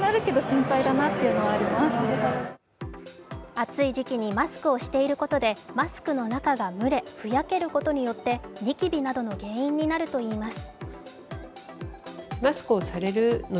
暑い時期にマスクをしていることでマスクの中が蒸れふやけることによって、にきびなどの原因になるといいます。